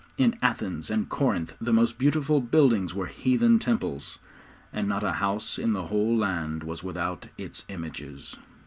In Athens and Corinth the most beautiful buildings were heathen temples, and not a house in the whole land was without its images.